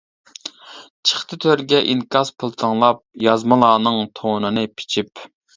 چىقتى تۆرگە ئىنكاس پىلتىڭلاپ، يازمىلارنىڭ تونىنى پىچىپ.